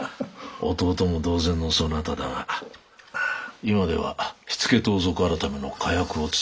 弟も同然のそなただが今では火付盗賊改の加役を務める身だ。